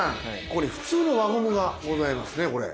ここに普通の輪ゴムがございますねこれ。